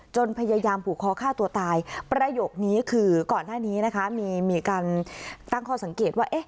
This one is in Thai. จนพยายามปูขอข้าตัวตายประโยคนี้คือก่อนหน้านี้มีการตั้งความสังเกตว่า